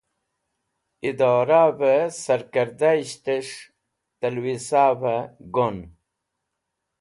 Adoravẽ sarkẽrdayishtes̃h tẽlwisa gon.